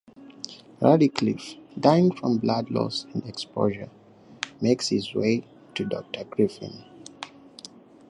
Radcliffe, dying from blood loss and exposure, makes his way to Doctor Griffin.